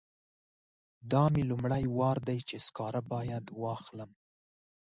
دا مې لومړی وار دی چې سکاره باید واخلم.